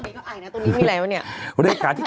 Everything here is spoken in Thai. ตรงนี้มีอะไรวะเนี่ย